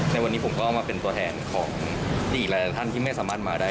ในวันนี้ผมก็มาเป็นตัวแทนของอีกหลายท่านที่ไม่สามารถมาได้